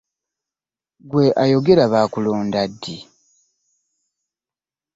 Ggwe ayogera baakulonda ddi?